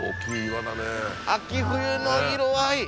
秋冬の色合い。